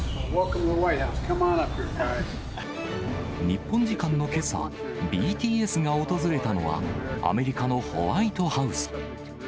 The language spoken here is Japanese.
日本時間のけさ、ＢＴＳが訪れたのは、アメリカのホワイトハウス。